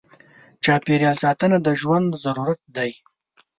چاپېریال ساتنه د ژوند ضرورت دی.